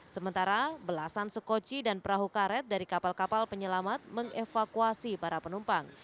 sementara belasan sekoci dan perahu karet dari kapal kapal penyelamat mengevakuasi para penumpang